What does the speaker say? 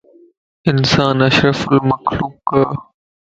انسان اشرفُ المخلوقَ